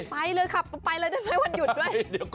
ไปเลยครับไปเลยจะไม่มีวันหยุดเลย